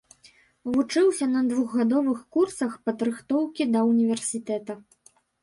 Вучыўся на двухгадовых курсах падрыхтоўкі да ўніверсітэта.